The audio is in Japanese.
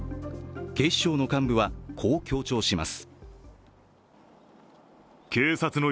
警視庁の幹部はこう強調します。